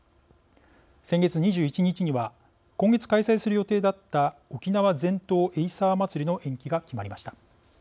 先月２１日には今月開催する予定だった沖縄全島エイサーまつりの延期が決まりました。